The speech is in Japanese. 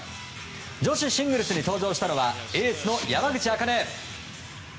女子シングルスに登場したのはエースの山口茜。